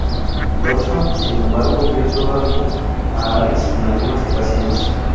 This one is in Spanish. Dodgson, sin embargo, vio todavía a Alice en algunas ocasiones.